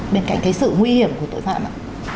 bên cạnh cái sự nguy hiểm của tội phạm ạ